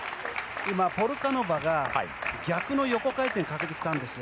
ポルカノバが逆の横回転かけてきたんですよ。